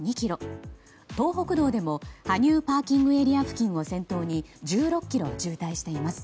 東北道でも羽生ＰＡ付近を先頭に１６ｋｍ渋滞しています。